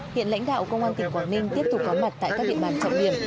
hiện lãnh đạo công an tỉnh quảng ninh tiếp tục có mặt tại các địa bàn trọng điểm